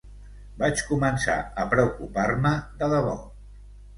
Vaig començar a preocupar-me de debò.